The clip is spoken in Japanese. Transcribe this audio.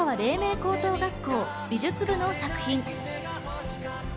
高等学校美術部の作品。